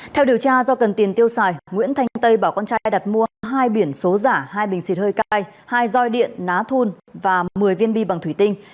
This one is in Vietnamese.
theo điều tra do cần tiền tiêu xài nguyễn thanh tây bảo con trai đặt mua hai biển số giả hai bình xịt hơi cay hai roi điện ná thun và một mươi viên bi bằng thủy tinh